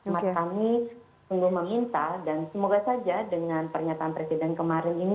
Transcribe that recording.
kami sungguh meminta dan semoga saja dengan pernyataan presiden kemarin ini